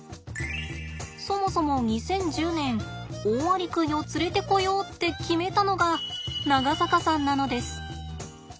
そもそも２０１０年オオアリクイを連れてこようって決めたのが長坂さんなのです。